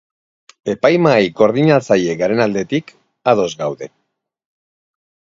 Epaimahai Koordinatzaile garen aldetik, ados gaude.